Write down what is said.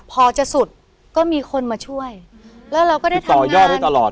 พอจะสุดก็มีคนมาช่วยแล้วเราก็ได้ทำต่อยอดไว้ตลอด